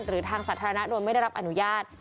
หรือทางสาธารณะโดยไม่ได้รับอนุญาต